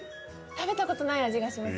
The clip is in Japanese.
食べた事ない味がします。